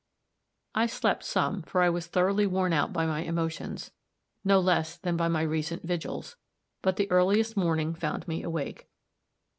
I slept some, for I was thoroughly worn out by my emotions, no less than by my recent vigils; but the earliest morning found me awake.